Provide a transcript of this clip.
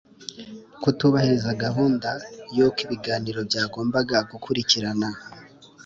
Kutubahiriza gahunda y uko ibiganiro byagombaga gukurikirana